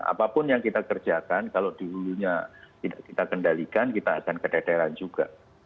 apapun yang kita kerjakan kalau di ulunya kita kendalikan kita akan kederan juga